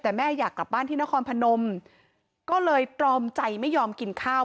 แต่แม่อยากกลับบ้านที่นครพนมก็เลยตรอมใจไม่ยอมกินข้าว